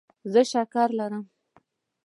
زه شکره لرم.